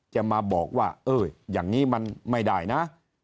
จะมาบอกว่าเอ้ยอย่างนี้มันไม่ได้นะ